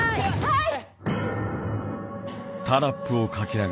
はい！